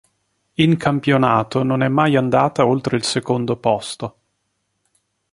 In campionato non è mai andata oltre il secondo posto.